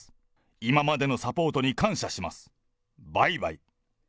今までのサポートに感謝します、バイバイ！